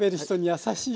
優しい。